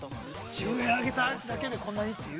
◆１０円上げただけで、こんなにという。